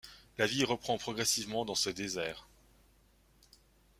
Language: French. La vie reprend progressivement dans ce désert.